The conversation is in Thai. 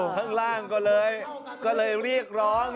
ต่างก็เลยเรียกร้อง